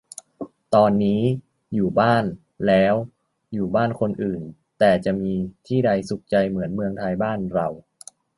ตอนนี้ "อยู่บ้าน" แล้ว อยู่บ้านคนอื่น แต่จะมีที่ใดสุขใจเหมือนเมืองไทยบ้านเรา~~